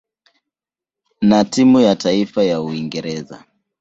na timu ya taifa ya Uingereza.